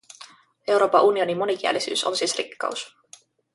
Euroopan unionin monikielisyys on siis rikkaus.